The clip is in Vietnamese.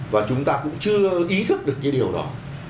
và chúng ta cũng chưa ý thức được cái điều đó